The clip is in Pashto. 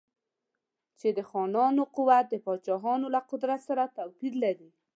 چې د خانانو قوت د پاچاهانو له قدرت سره توپیر لري.